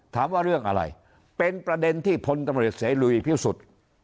ถามว่าเรื่องอะไรเป็นประเด็นที่พลธรรมฤทธิ์เสร็จลุยที่สุด